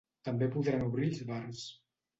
També podran obrir els bars.